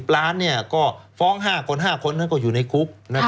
ล้านก็ฟ้อง๕คน๕คนนั้นก็อยู่ในคุก